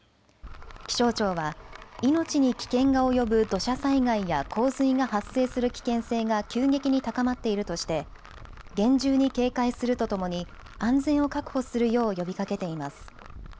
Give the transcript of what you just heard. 気象庁は命に危険が及ぶ土砂災害や洪水が発生する危険性が急激に高まっているとして厳重に警戒するとともに安全を確保するよう呼びかけています。